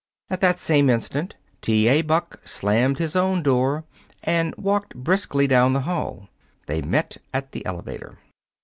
At that same instant, T. A. Buck slammed his own door and walked briskly down the hall. They met at the elevator.